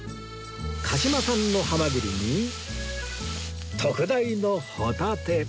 鹿島産のハマグリに特大のホタテ！